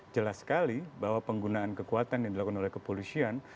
jelas sekali bahwa penggunaan kekuatan yang dilakukan oleh kepolisian